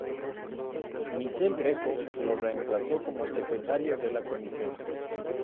Michele Greco lo reemplazó como secretario de la Comisión.